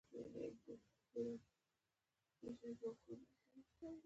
آیا زموږ میلمه پالنه به دوام ولري؟